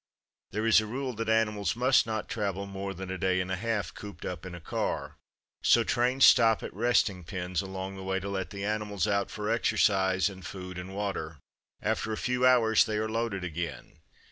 There is a rule that animals must not travel more than a day and a half cooped up in a car. So trains stop at resting pens along the way to let the animals out for exercise and food and water. After a few hours they are loaded again.